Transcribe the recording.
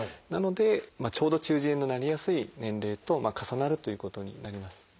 なのでちょうど中耳炎になりやすい年齢と重なるということになります。